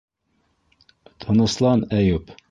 Тыныслан, Әйүп.